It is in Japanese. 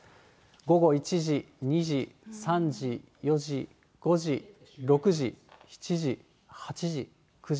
午後１時、２時、３時、４時、５時、６時、７時、８時、９時。